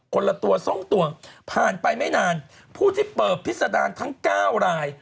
ละตัว๒ตัวผ่านไปไม่นานผู้ที่เปิดพิษดารทั้ง๙ราย